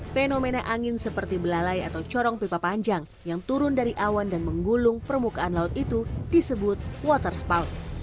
fenomena angin seperti belalai atau corong pipa panjang yang turun dari awan dan menggulung permukaan laut itu disebut water spout